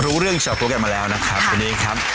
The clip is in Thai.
รู้เรื่องชาวตัวกันมาแล้วนะครับวันนี้ครับ